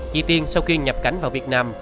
chị tiên sau khi nhập cảnh vào việt nam